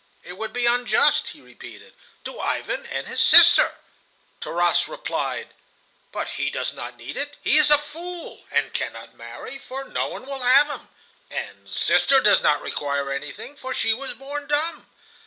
It would be unjust," he repeated, "to Ivan and his sister." Tarras replied: "But he does not need it. He is a fool, and cannot marry, for no one will have him; and sister does not require anything, for she was born dumb."